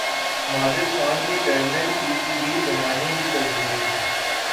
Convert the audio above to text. ماجد خان کو chairman P C B بنانے کی تجویز